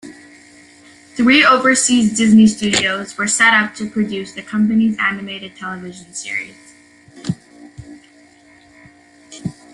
Three overseas Disney studios were set up to produce the company's animated television series.